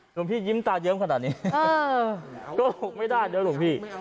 หลวงพี่ยิ้มตาเยิ้มขนาดนี้โกหกไม่ได้นะหลวงพี่